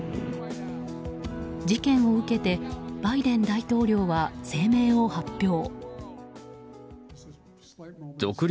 事件を受けてバイデン大統領は声明を発表。